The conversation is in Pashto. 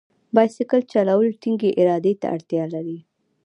بایسکل چلول ټینګې ارادې ته اړتیا لري.